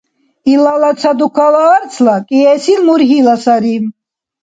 Илала ца дукала арцла, кӀиэсил – мургьила сари.